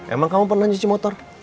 emang kamu pernah nyuci motor